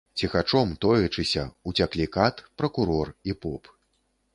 Ціхачом, тоячыся, уцяклі кат, пракурор і поп.